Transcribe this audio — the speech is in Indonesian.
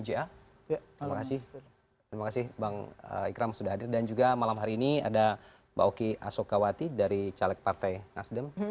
terima kasih terima kasih bang ikram sudah hadir dan juga malam hari ini ada mbak oki asokawati dari caleg partai nasdem